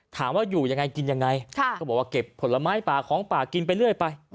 ถามว่าอยู่ยังไงกินยังไงก็บอกว่าเก็บผลไม้ป่าของป่ากินไปเรื่อยไป